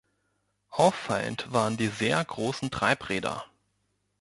Auffallend waren die sehr großen Treibräder.